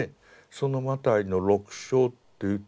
そのマタイの６章というと